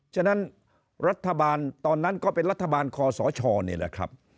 ฉะนั้นรัฐบาลตอนนั้นก็เป็นรัฐบาลคอสชนี่แหละครับ